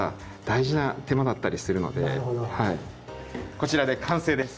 こちらで完成です。